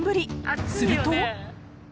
［すると］